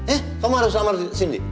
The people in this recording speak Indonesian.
eh kamu harus lamar cindy